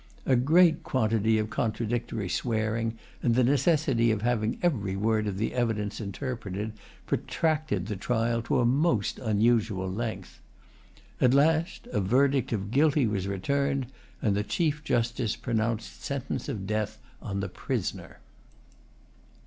A great quantity of contradictory swearing, and the necessity of having every word of the evidence interpreted, protracted the trial to a most unusual length. At last a verdict of guilty was returned, and the Chief Justice pronounced sentence of death on the prisoner.